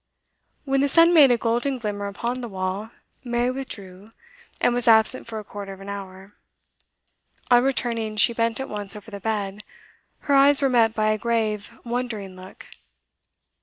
When the sun made a golden glimmer upon the wall, Mary withdrew, and was absent for a quarter of an hour. On returning, she bent at once over the bed; her eyes were met by a grave, wondering look.